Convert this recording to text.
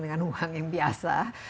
dengan uang yang biasa